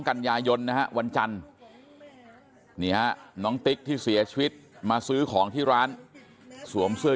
กันยายนนะฮะวันจันทร์นี่ฮะน้องติ๊กที่เสียชีวิตมาซื้อของที่ร้านสวมเสื้อ